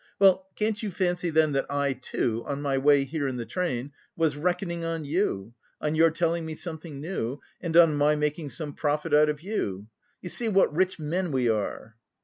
"Well, can't you fancy then that I, too, on my way here in the train was reckoning on you, on your telling me something new, and on my making some profit out of you! You see what rich men we are!"